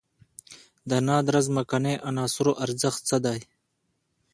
د نادره ځمکنۍ عناصرو ارزښت څه دی؟